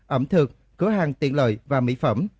ẩm thực cửa hàng tiện lợi và mỹ phẩm